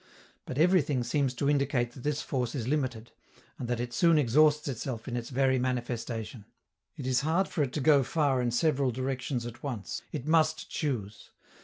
But everything seems to indicate that this force is limited, and that it soon exhausts itself in its very manifestation. It is hard for it to go far in several directions at once: it must choose.